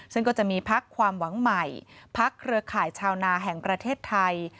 ซึ่งก็จะมีพักความหวังใหม่พักเครือข่ายชาวนาแห่งประเทศไทย